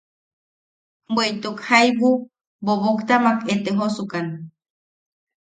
Bweʼituk jaibu boboktamak etejosukan.